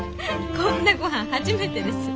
こんなごはん初めてです。